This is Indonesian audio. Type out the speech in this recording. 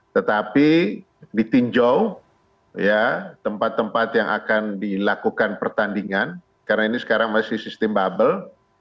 tetapi ditinjau tempat tempat yang akan dilakukan pertandingan karena ini sekarang masih sistem bubble